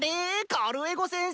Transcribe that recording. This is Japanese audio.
カルエゴ先生？